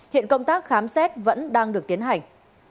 hiện công tác khám xét vẫn đang được tiến hành